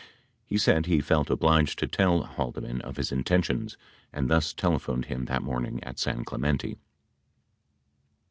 He said he felt obliged to tell Haldeman of his intentions and thus telephoned him that morn ing at San Clemente.